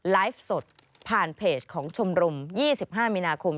ไลฟ์สดผ่านเพจของชมรม๒๕มีนาคม